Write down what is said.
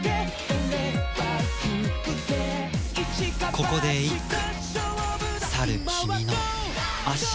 ここで一句。